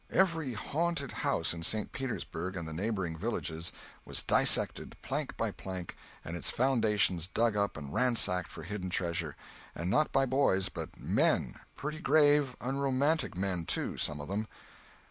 Every "haunted" house in St. Petersburg and the neighboring villages was dissected, plank by plank, and its foundations dug up and ransacked for hidden treasure—and not by boys, but men—pretty grave, unromantic men, too, some of them.